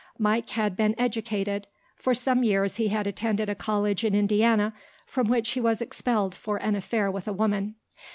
Mike had been educated. For some years he had attended a college in Indiana from which he was expelled for an affair with a woman.